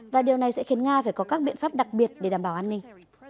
và điều này sẽ khiến nga phải có các biện pháp đặc biệt để đảm bảo an ninh